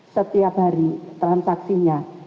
setiap hari transaksinya